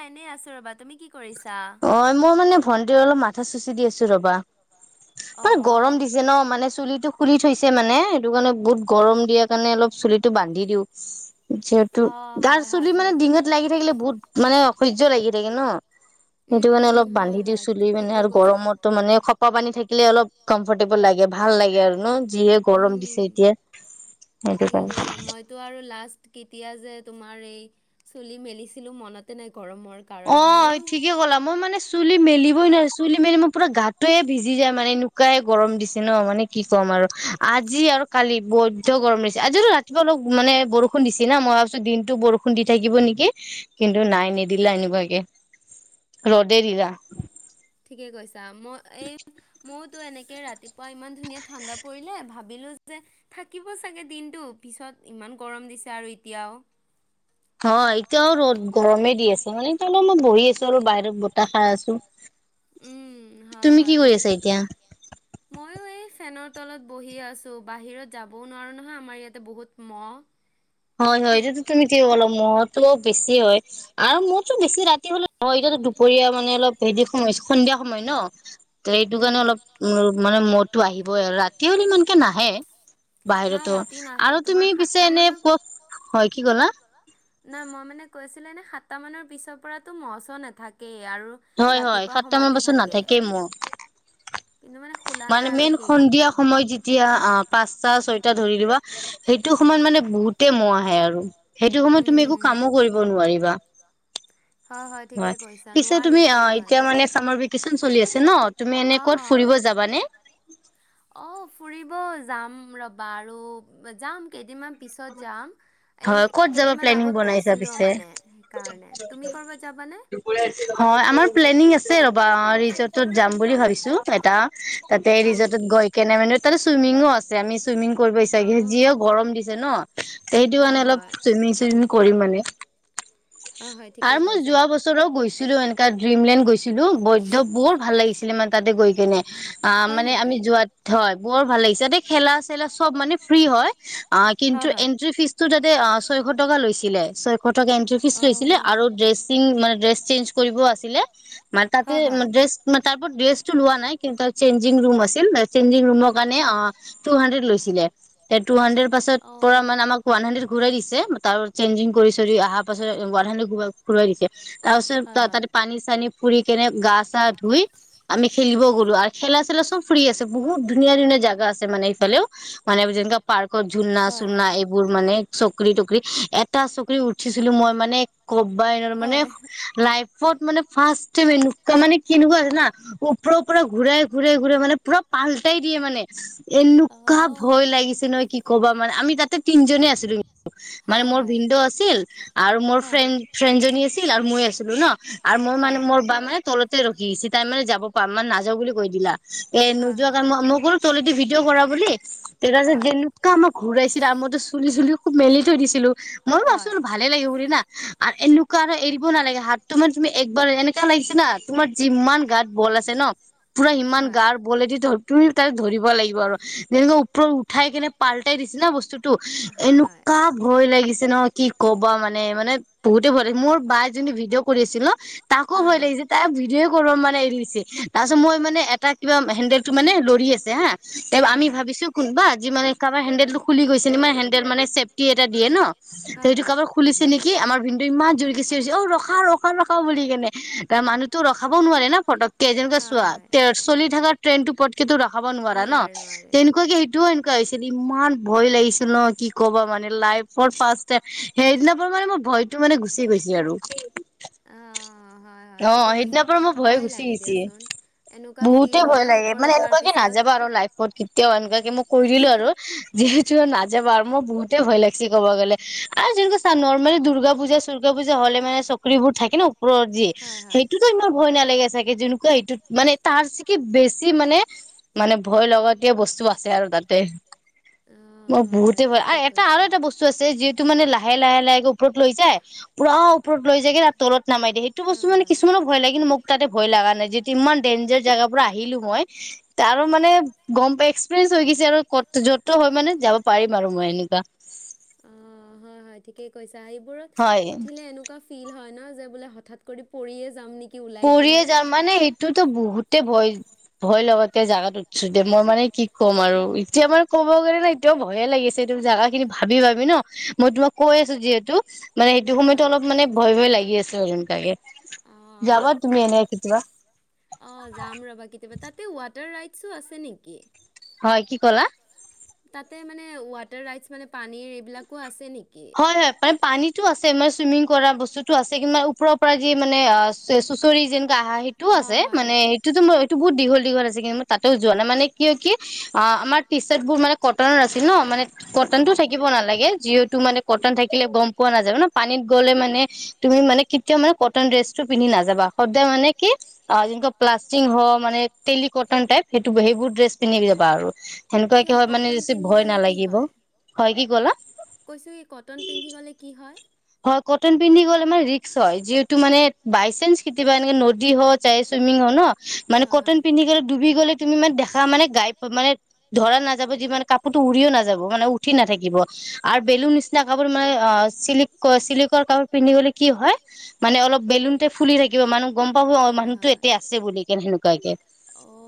এ, এনে আচবাদ অ, মই মানে ভণ্টিৰ অলপ মাথা চুচি দি আছো ৰবা। মান গৰম দিছে ন মানে চুলিটো খুলি থৈছে মানে সেইটো কাৰণে বহুত গৰম দিয়াৰ কাৰণে অলপ চুলিটো বান্ধি দিওঁ। যিহেতু গাৰ চুলি মানে ডিঙাত লাগি থাকিলে বহুত মানে অসহ্য লাগি থাকে ন। সেইটো কাৰণে অলপ বান্ধি দি চুলি মানে আৰু গৰমতো মানে খপা পানী থাকিলে অলপ কমফটেবল লাগে ভাল লাগে আৰু ন? যিয়ে গৰম দিছে এতিয়া। সেইটো কাৰণে। কেতিয়া যে তোমাৰ এই চুলি মেলিছিলো মনতে নাই। অ, ঠিকে ক'লা। মই মানে, চুলি মেলিবই নোৱাৰাৰে চুলি মেলি মই পুৰা গাতেোৱে ভিজি যায় মানে এুৱাইে গৰম দিছে ন মানে কি ক'ম। আজি আৰু কালি বৈধ গৰম দিছে। আজি ৰাতিপুৱা অলপ মানে বৰষুণ দিছে না মই ভাবিছো দিনটো বৰষুণ দি থাকিব নেকি কিন্তু নাই নিদিলে। দিলা এনেকুৱা কে ৰ'দে দিলা। ঠিকে কৈছা মই এই ম- এনেকে ৰাতিপুৱা ইমান ধুনীয়া ঠাণ্ডা পৰিলে ভাবিলো যে থাকিব চাগে দিনটো পিছত ইমান গৰম দিছে আৰু এতিয়াও। হয়, এতিয়া আৰু ৰ'দ গৰমে দি আছে মানে এতিয়া অলপমান বহি আ- আৰু বাহিৰত বতাহ খাই আছো। তুমি কি কৰি আছা এতিয়া? ময়ো এই ফেনত তলত বহি আছো। বাহিৰত যাবও নোৱাৰো নহয়, আমাৰ ইয়াতে বহুত মহ। হয়, হয় এইটো তুমি কি কলা মৰতো অলপ বেছি হয় আৰু মোৰ বেছি ৰাতি হলে নহয় এতিয়াতো দুপৰীয়া মানে অলপ হেৰি সময় সন্ধিয়া সময় ন। এইটো কাৰণে অলপ উ মানে মহ তো আহিবই আৰু ৰাতি হ'ল ইমানকে নাহে। বাহিৰতো আৰু তুমি পিছে এনে কত হয় কি কলা? ছিলে নে সাতটা মানৰ পিছৰ পৰা তো মহ চব নাথাকেই। আৰু ৰাতিপুৱা সময়তে থাকে। কিন্তু, মানে মানে মেইন সন্ধিয়া সময় যেতিয়া অ পাঁচটাত ছয়টা ধৰি দিবা সেইটো সমত মানে বহুতে মহ আহে আৰু। সেইটো সময়ত তুমি একো কামো কৰিব নোৱাৰিবা। হয়, পিছে তুমি অ এতিয়া মানে চামৰ ভেকেচন চলি আছে ন তুমি এনে ক'ত ফুৰিব যাব- অ, ফুৰিব যাম ৰবা আৰু যাম কেইদিনমান পিছত যাম। এই কেইদিন আগত গৈছিলো মানে সেইকাৰণে তুমি কৰবাত যাব- আমাৰ প্লেনিং আছে। বা ৰিজৰ্টত যাম বুলি ভাবিছো, এটা তাতে ৰিজৰ্টত গৈ কেনে মানে তাতে চুইমিং ও আছে আমি চুইমিং কৰিব ইছাগে যিয়ে গৰম দি ন সেইটো কাৰণে অলপ চুইমিং চুইমিং কৰিম মানে আৰু মই যোৱা বছৰ গৈছিলো এনে কাত ড্ৰিমলেণ্ড গৈছিলো বৈধ বহুত ভাল লাগিছিলে মানে তাতে গৈ কিনে আ মানে আমি যোৱাত হয় বৰ ভাল লাগিছে ততে খেলা চেলা চব মানে ফ্ৰী হয়। অ কিন্তু এন্ট্ৰি ফিজ টো তাতে অ ছয়শ টকা লৈছিলে ছয়। পতকে এণ্ট্ৰি ফিচ লৈছিলে আৰু ড্ৰেছিং মানে ড্ৰেছ চেঞ্জ কৰিব আছিলে। মান তাতে ড্ৰেছ তাৰ ড্ৰেছ টো লোৱা নাই কিন্তু তাৰ চেঞ্জিং ৰুম আছিল চেঞ্জিং ৰুমৰ কাৰণে অ টো হান্দেৰেট লৈছিলে। টো হান্দে- পাছত পৰা মানে আমাক ওৱান হাড্ৰেড ঘূৰাই দিছে তাৰ চেঞ্জঙ কৰি অহা পাছত ওৱন হাড্ৰেত ঘোৰাই দিছে পাছত তাতে পানী চানী ফুৰি কেনে গা চা ধুই আমি খেলিব গলোঁ। খেলা চেলা চব ফ্ৰী আছে বহুত ধুনীয়া ধুনীয়া জাগা আছে মানে এইফালেও মানে যেনেকা পাৰ্কৰ ঝুলনা চুলনা এইবোৰ মানে চকৰি তকৰি এটা চকৰি উঠিছিলো মই মানে কববাই মানে লাইফ মানে ফাষ্ট মানে কেনেকুৱা আছে জানা ওপৰৰ পৰা ঘূৰাই ঘূৰাই ঘূৰাই মানে পুৰা পাল্টাই দিয়ে মানে এনেকুৱা ভয় লাগিছে নহয় কি ক'বা মানে আমি তাতে তিনিজনী আছিলো কিন্তু মানে মোৰ ভিন্দোও আছিল আৰু মোৰ ফ্ৰেণ্ড ফ্ৰেণ্ডজনী আছ- টিল আৰু মই আছিলো ন আৰু মই মানে মোৰ বা মানে তলত ৰখি তাই মানে যাব পাৰ মানে না বুলি কৈ দিলা এ নোযোৱা কাৰণেই ক'লো তলেদি ভিডি- কৰা বুলি তাতেছে যেন কোৱা আমাক ঘূৰাইছিলে আমাৰতো চুলি চুলি খুব মেলি থৈ দিছিলো মইয়ো ভাবচো ভালে লাগিব বুলি না আৰু এনেকুৱা আৰু এৰিব নালাগে হাতটো মান তুমি একবাৰ এনেকুৱা লাগিছে না তোমাৰ যিমান গাত বল বল আছে ন পুৰা ইমান গাৰ বলেদি তুমি তাত ধৰিব লাগিব আৰু তেনেকুৱা ওপৰত উঠাই কেনে পাল্টাই দিছে না বস্তুতটো এনেকুৱা ভয় লাগিছ- ন কি ক'বা মানো মানে বহুতে ভয় লাগিছে মোৰ বাই জনি ভিডিঅ' কৰি আছিল ন তাকো ভয় লাগি যে তাই ভিডিঅ' কৰ মানে এৰি দিছে তাৰ পাছত মই মানে এটা কিবা হেডেলটো মানে লৰি আছে হা আমি ভাবিছো কোনোবা যি মানে কাৰবাৰ হেন্দেলটো খুলি গৈছে নি মান হেন্দেল মানে চেফটি এটা দিয়ে ন সেইটো কাৰোবাৰ খুলিছে নেকি আমাৰ ভিন্দোয়ে ইমান জোৰকে চিঞৰি অ ৰখা ৰখা ৰখা বুলি কেনে ত মানুহতো ৰখাবও নোৱাৰে ন ফটক কে যেনেকা চোৱা চলি থকা ট্ৰেইন টো পতকো ৰখাব নোৱাৰা ন তেনেকুৱাকে সেই টো এনেকুৱা হৈছিল ইমান ভয় লাগিছিল ন কি ক'বা মানে লাইভ ফৰ ফাৰ্ষ্ট টাইম সেইদিনা পৰা মানে মোৰ ভয়টো মানে গুচি গৈছে আৰু অ সিদিনা পৰা মই ভয়ে গুচি গৈছে বহুতে ভয় লাগে মানে এনেকুৱাকে নাযাবা আৰু লাইফত কেতিয়াও এনেকুৱাকে মই কৰি দিলো আৰু যিহেতু নাযাবা আৰু মই বহুতে ভয় লাগিছে ক'ব গ'লে আৰু যেনেক কৈ চা নৰ্মেলি দুৰ্গা পূজা দুৰ্গা পুজা হলে মানে চকৰিবোৰ থাকে ন ওপৰত যি সেইটো ইমান ভয় নে লাগে চাগে যেনেকুৱা এইটোত মানে তাৰ চি কি বেছি মানে মানে ভয় লগ দিয়া বস্তু আছে খেল তাতে মই বহুতে ভয় আৰু এটা আৰু এটা বস্তু আছে যিহেতু মানে লাহে লাহে লাহে ওপৰত লৈ যায় পূৰা ওপৰত লৈ যায়ে তলত নামাই দিয়ে সেইটো বস্তু মানে কিছুমানৰ ভয় লাগ কিন্তু মোক তাতে ভয় লাগে লগা নাই যিটো ইমান ডেঞ্জাৰ জেগাৰ পৰা আহিলো মই তাৰ মানে গম পাই এক্সপিৰিয়েন্ঞ্চ হৈ গৈছে আৰু ক'ত যতো হৈ মানে যাব পাৰিম আৰু মই এনেকুৱা ঠিকেই কৈছা সেইবোৰত উঠিলে এনেকুৱা ফিল হয় ন যে বোলে হঠাৎ কৰি পৰিয়ে যাম নেকি পৰিয়ে যাম মানে সেইটোতো বহুত তে ভয় ভয় লগতে জোগাত উঠছো দিয়া মই মানে কি ক'ম আৰু এতিয়া মানে ক'ব গ'লে ন এতিয়া ভয়ে লাগিছে এই জাগা খিনি ভাবি ভাবি ন মই তোমাক কৈ আছো যিহেতু মানে সেইটো সময়তো অলপ মানে ভয় ভয় লাগি আছে যেনেকোৱাকে অ, ঠিকেই, অ, যাম ৰবা কেতিয়াবা, তাতে ৱাটাৰ ৰাইত আছো আছে নেকি? হয় কি কলা? তাতে মানে ৱাটাৰ ৰাইচ মানে পানীৰ এইবিলাকো আছে নেকি? হয়-হয় তাত পানীতো আছে। চুইমিং কৰা বস্তুতো আছে, কি ওপৰৰ পৰা যি মানে আ চুচৰি যেন আহা সেইটোও আছে, মানে সেইটোতো এইটো বহুত দীঘল। ঘ আছে কিন্ত তাতে যোৱা নাই মানে কি হয় কি আমাৰ টি চাৰ্ট বোৰ কৰ্তনৰ আছিল ন মানে কটনতটো থাকিব নালাগে যিহেতু মানে। কটন থাকিলে গম পোৱা নাযাবা ন পানীত গ'লে মানে তুমি মানে কেতিয়া মানে কটন ড্ৰেছটো পিন্ধি নাযাবা। সাদাই মানে কি প্লাষ্টিক হ মানে তেলি কটন টাইপ সেই সেইবোৰ ড্ৰেছ পিন্ধিবি। যাবা আৰু সেনেকুৱাকে হয় মানে বেছি ভয় নালাগিব হয়, কি কলা? কটন পিন্ধি গ'লে কি হয়? হয় কটন পিন্ধি গ'লে মানে ৰিক্স হয়, যিহেটো মানে বাইচান্স কেতিয়াবা এনেকে নদী হওক চ চুইমিং হও ন। মানে কটন পিন্ধি গলে ডুবি গ'লে। তুমি মানে দেখা মানে গাই মানে ধৰা নাযাব যি মানে কাপোৰতটো উৰিও নাযাব মানে উঠি নাথাকিব। আৰু বেলুুন নিচিনা কাপোৰ মানে অ চিল্ক। ক চিল্কৰ কাপোৰ পিন্ধিবলে কি হয় মানে অলপ বেলুনতে ফুলি থাকিব মানুহ। গ'ম পাব অ মানুহতো এতেয়া আছে বুলি কেনে সেনেকুৱাকে।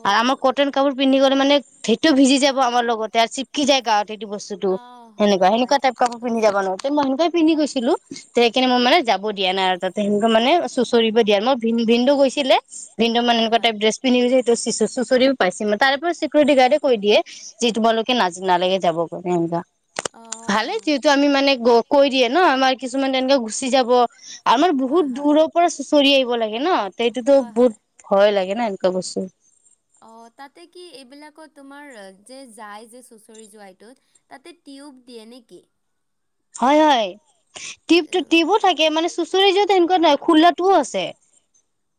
আৰু আমাৰ কটন কাপোৰ পিন্ধি গলে মানে সেইটোও ভিজি যাব আমাৰ লগতে আৰু চিপকি যায় গাত। সেইটো বস্তুটো সেনেকুৱা সেনেকুৱা টাইপ কাপোৰ পিন্ধি যাব নালগে ত মই তেনেকুৱাই পিন্ধি গৈছোঁ। ছিলো সেইখিনি মই মানে যাব দিয়া নাই আৰু তাতে সেকে মানে চুঁচৰিব দিয়া ন মই ভ ভিনন্দু গৈছিলে। ভিন্দু মানে এনেকুৱা টাইপ ড্ৰেছ পিন্ধি যে স এইু চুঁচৰি পাইছে ম তাৰ ওপৰত। চিকৰটি গাৰডে কৈ দিয়ে যে তোমালোকে ন নালাগে যাবগৈ এনেকোৱা ভালে যিহেতু আমি মানে কৈ দিয়ে। কিছুমান তেনেকে গুচি যাব। আমাৰ বহুত দূৰৰ পৰা চুঁচৰি আহিব লাগে ন তে সেইটোতো বহুত ভয় লাগে ন এ। [unintelligible] অ, তাতে কি এইবিলাকত তোমাৰ যে, যাই যে চুচৰি যোৱাইটোত তাতে টিউব দিয়ে নেকি? চুঁচৰি যোৱাত তেনেকুৱা নাই, খোলাটোও আছে,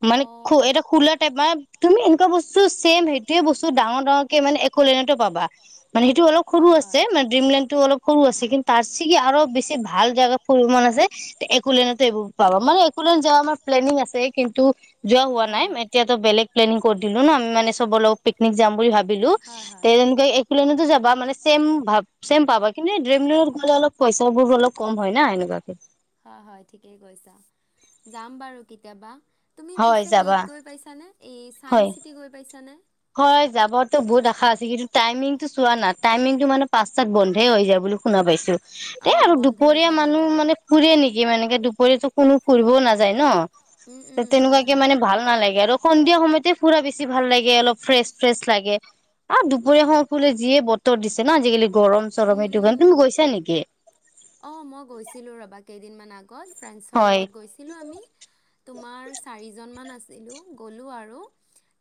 মানে এটা খোলা টাইপ মানে- তুমি এনেকুৱা বস্তু ছেম, সেইটোৱে বস্তু ডাঙৰ- ডাঙৰকে মানে এক'লেণ্ডতো পাবা। মানে সেইটো অলপ সৰু আছে, মানে‌ ড্ৰিমলেণ্ডটো অলপ সৰু আছে। কিন্তু আছেগে আৰু বেছি ভাল জেগা ফুৰিব মন আছে, এক'লেণ্ডতো এইবোৰ পাবা। মানে পুলত যোৱা আমাৰ প্লেনিং আছে। কিন্তু যোৱা হোৱা নাই, এতিয়াটো বেলেগ প্লেনিং কৰি দিলোঁ ন। মানে চবৰ লগত পিকনিক যাম বুলি ভাবিলো, তে তেনেকে এক'লেণ্ডতো যাবা মানে চেম ভাব চেম পাবা, কিন্তু ড্ৰেমলেণ্ড গ'লে অলপ পইচাবোৰ অলপ কম হয় না এনেকুৱাকে। কেতিয়াবা, তুমি পিছে সেইত গৈ পাইছানে? এই চাইন্স চিটি গৈ পাইছানে? হয়, যাবতো বহুত আশা আছে। কিন্তু টাইমিং টো চোৱা না, টাইমিং টো মানে পাঁচটাত বন্ধে হৈ যায় বুলি শুনা পাইছো। এ আৰু দুপৰীয়া মানুহ মানে ফুৰে নেকি? এনেকে দুপৰীয়াটো কোনো ফুৰিবও নাযায় ন। ত তেনেকুৱাকে মানে ভাল নালাগে আৰু, সন্ধিয়া সময়তে ফুৰা বেছি ভাল লাগে অলপ। ফ্ৰেছ-ফ্ৰেছ লাগে, আৰু দুপৰীয়া সময়ত ফুৰিলে যিয়ে বতৰ দিছে ন আজিকালি। গৰম-চৰম এইটো কাৰণে, তুমি গৈছা নেকি? ফ্ৰেণ্ডছৰ লগত গৈছিলো আমি, তোমাৰ চাৰি জন মান গৈছিলোঁ, গলো আৰু,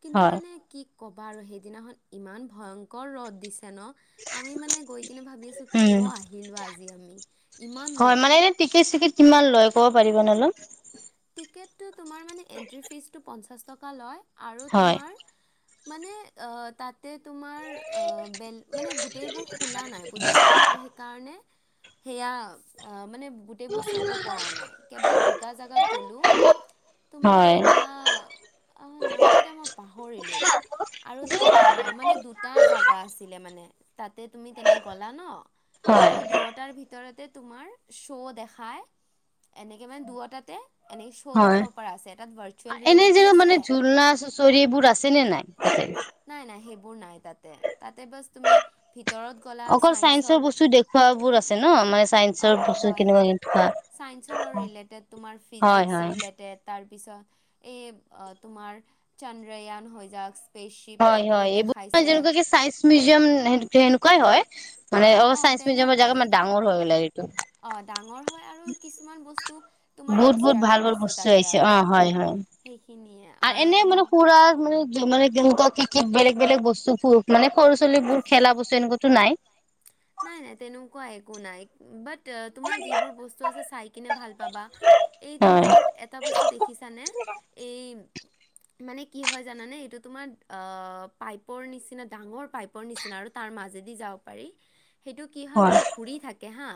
কিন্তু মানে কি? ক'বা আৰু সেইদিনাখন ইমান ভয়ংকৰ ৰ'দ দিছে ন, আমি মানে গৈ কিনে ভাবি আছো, কিয় আহিলো আজি আমি ইমান দূৰত। ক'ব পৰিবা নে অলপ ক্ৰিকেট টো তোমাৰ মানে এণ্ট্ৰি ফিজটো পঞ্চাছ টকা লয় আৰু তোমাৰ। মানে আ তাত ত তোমাৰ অ, বেল মানে গোটেইবোৰ খোলা নাই বুজিছা, ত' সেইকাৰণে, সেইয়া অ, মানে গোটেইবোৰ চাব পৰা নাই, কেৱল দুটা জেগাত তোমাৰ এটা নামকেইটা মই পাহৰিলোঁ। আৰু অ মানে দুটা জাগা আছিলে মানে। তাতে তুমি তেনে গলা ন ত দুয়টাৰ ভিত ভিতৰতে তোমাৰ শ্ব' দেখাই, এনেকে মানে দুয়োটাতে এনেকে শ্ব' দেখাব পৰা আছে, তাত ভাৰ্চুৱেল ৰিয়েলিটি আছে। নাই-নাই সেইবোৰ নাই তাতে, তাতে বাছ তুমি অকল চাইন্সৰ বস্তু দেখুুৱাবোৰ আছে ন, মানে চাইন্সৰ বস্তু কেনেকুৱা-কেনেকুৱা? চাইন্সচলৰ ৰিলেটেড, তোমাৰ ফিজিক্স ৰিলেটেড তাৰ তাৰপিছত, এই তোমাৰ চন্দ্ৰয়ান হৈজাক হয়-হয় এইবোৰ যেনেকুৱা চাইন্স মিউজিয়াম, সেনেকুৱাই হয়। মানে অ, চাইন্স মিউজিয়ামৰ জেগা মানে ডাঙৰ হ'ব লাগে। অ, ডাঙৰ হয় আৰু কিছুমান বস্তু বহুত-বহুত, ভাল-ভাল বস্তু আহিছে, অ, হয়- হয়। আৰু এনেই মানে খুৰা [unintelligible] মানে তাত কি-কি, বেলেগ-বেলেগ বস্তুবোৰ মানে সৰু-ছোৱালীবোৰ খেলা বস্তু এনেকুৱাতো নাই। নাই-নাই তেনেকুৱা একো নাই, বাট তোমাৰ যিবোৰ বস্তু আছে চাই কিনে ভাল পাবা, এই তোমাৰ এটা বস্তু দেখিছানে? এই মানে কি হয় জানানে, এইটো তোমাৰ অ, পাইপৰ নিচিনা, ডাঙৰ পাইপৰ নিচিনা আৰু তাৰ মাজে যদি যাব পাৰি। সেইটো কি হয় মানে ঘূৰি থাকে হাঁ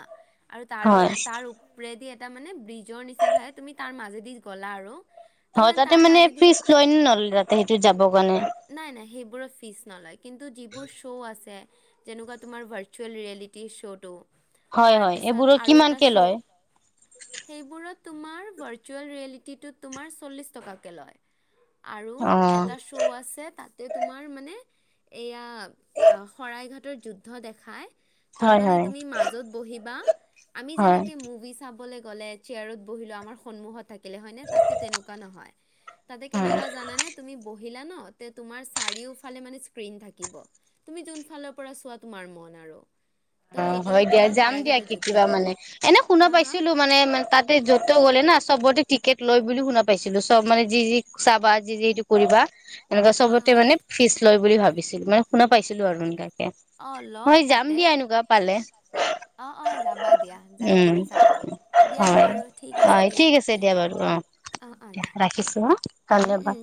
আৰু তাৰ তাৰ ওপৰেদি এটা মানে ব্ৰিজৰ নিচিনা আহে তুমি তাৰ মাজেদি গ'লা আৰু। হয় তাতে মানে ফিচ জইন নহলে তাতে সেইটো যাব কাৰণে। নাই নাই সেইবোৰ ফিচ নলয় কিন্তু যিবোৰ শ্ব আছে তেনেকুৱা তোমাৰ ভাৰ্চুয়েল ৰি লিটি শ্ব'টো তাৰপিছত আৰু এটা শ্ব' সেইবোৰত। তোমাৰ ভাৰ্চুৱেল ৰিয়েলিটিটোত তোমাৰ চল্লিছ টকাকৈ লয়। আৰু এটা শ্ব' আছে। তাতে তোমাৰ মানে এইয়া শৰাইঘাটৰ যুদ্ধ দেখায়। তাৰ মানে তুমি মাজত বহিবা, আমি যেনেকে মুভি চাবলে গলে চেয়াৰত বহিলো আমাৰ সন্মুখত থাকিলে হয় নে তাত তেনেকুৱা নহয়। তাতে কেনেকুৱা জানানে তুমি বহিলা ন। তাতে তোমাৰ চাৰিওফালে মানে স্কিন থাকিব, তুমি যোনফালে পৰা চোৱা তোমাৰ মন আৰু। অ হয় দিয়া যাম দিয়া কিবা মানে এনে শুনা পাইছিলো মানে মে তাতে য'ত গ'লে না। চবতে টিকেট লয় বুলি শুনা পাইছিলো চব মানে যি যি চাবা যি যি সেইটো কৰিবা এনেকুৱা চবতে মানে ফিছ লয় বুলি ভাবিছিলোঁ। মানে শুনা পাইছিলোঁ আৰু এনেকাকে, মই যাম দিয়া এনেকুৱা পালে। অ অ যাবা দিয়া যাই কিনে চাবা। হয় হয় ঠিক আছে দিয়া বাৰু অ। হ'ব দিয়া ৰাখিছো অ ধন্যবাদ।